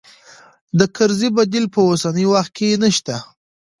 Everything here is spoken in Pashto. د کرزي بديل په اوسني وخت کې نه شته.